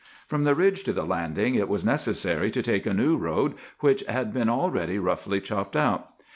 "From the Ridge to the Landing it was necessary to take a new road, which had been already roughly chopped out.